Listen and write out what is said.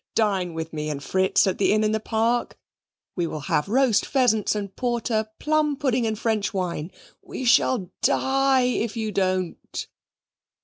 Dine with me and Fritz at the inn in the park. We will have roast pheasants and porter, plum pudding and French wine. We shall die if you don't."